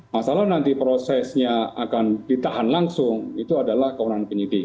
masalah nanti prosesnya akan ditahan langsung itu adalah kewenangan penyidik